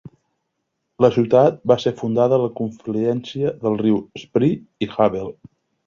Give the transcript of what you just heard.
La ciutat va ser fundada a la confluència dels rius Spree i Havel.